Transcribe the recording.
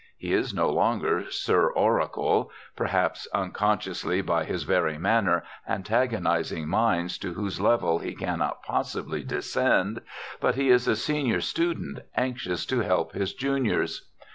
He is no longer Sir Oracle, perhaps unconsciously by his very manner antagonizing minds to whose level he cannot possibly descend, but he is a senior student anxious to help his juniors.